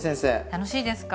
楽しいですか？